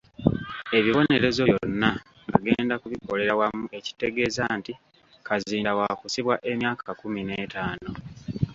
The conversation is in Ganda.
Ebibonerezo byonna agenda kubikolera wamu ekitegeeza nti Kazinda waakusibwa emyaka kumi n'etaano.